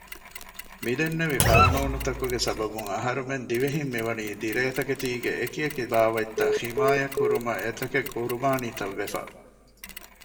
މިދެންނެވި ޤާނޫނުތަކުގެ ސަބަބުން އަހުރެމެން ދިވެހިން މިވަނީ ދިރޭތަކެތީގެ އެކިއެކި ބާވަތްތައް ޙިމާޔަތްކުރުމަށް އެތަކެއް ޤުރުބާނީތައް ވެފަ